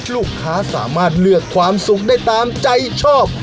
ลูกค้าสามารถเลือกความสุขได้ตามใจชอบ